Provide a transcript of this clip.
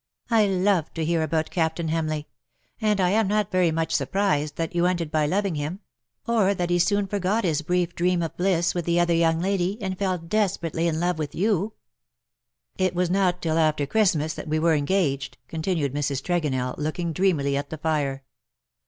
I love to bear about Captain Hamleigb ; and THE DAYS THAT ARE NO MORE. D I am not very much surprised that you ended by loving him — or that he soon forgot his brief dream of bliss with the other young lady^ and fell desperately in love with you/'' ^' It was not till after Christmas that we were en gaged/' continued Mrs. Tregonell^ looking dreamily at the fire.